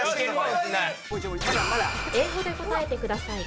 英語で答えてください。